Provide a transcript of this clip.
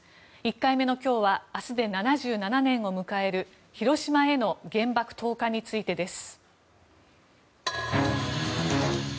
１回目の今日は明日で７７年を迎える広島への原爆投下についてです。